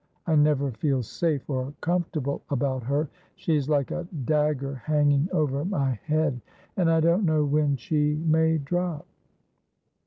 I never feel safe or comfortable about her. She's like a dagger hanging over my head ; and I don't know when she may drop.'